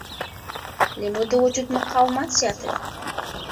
لیمو د وجود مقاومت زیاتوي.